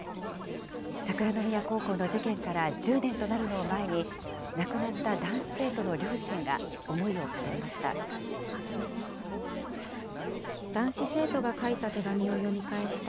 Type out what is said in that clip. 桜宮高校の事件から１０年となるのを前に、亡くなった男子生徒の両親が思いを語りました。